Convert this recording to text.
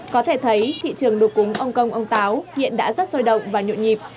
có thể thấy thị trường đồ cúng ông công ông táo hiện đã rất sôi động và nhộn nhịp